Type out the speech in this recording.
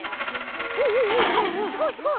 おおおすごいすごい。